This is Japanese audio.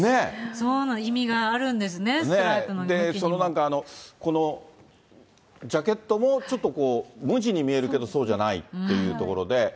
そんな意味があるんですね、そのなんか、このジャケットもちょっとこう、無地に見えるけど、そうじゃないっていうところで。